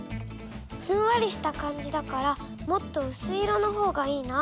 ふんわりした感じだからもっとうすい色のほうがいいな。